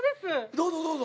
どうぞどうぞ。